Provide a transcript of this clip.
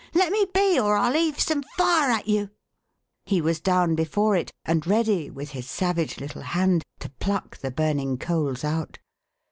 Let me be, or I'll heave some fire at you !" He was down before it, and ready, with his savage little hand, to pluck the burning coals out.